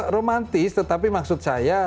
romantis tetapi maksud saya